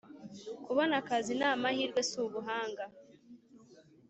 Kubona akazi namahirwe subuhanga